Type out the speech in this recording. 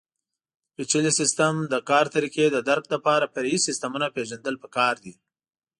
د پېچلي سیسټم د کار طریقې د درک لپاره فرعي سیسټمونه پېژندل پکار دي.